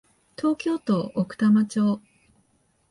東京都奥多摩町